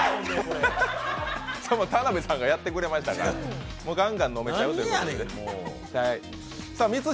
田辺さんがやってくれましたからガンガン飲めちゃうと。